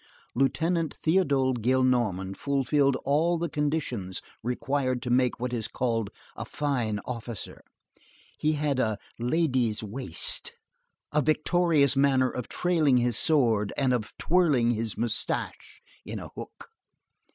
Lieutenant Théodule Gillenormand fulfilled all the conditions required to make what is called a fine officer. He had "a lady's waist," a victorious manner of trailing his sword and of twirling his moustache in a hook.